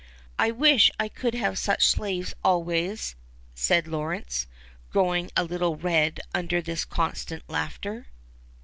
I wish I could have such slaves always," said Lawrence, growing a little red under this constant laughter.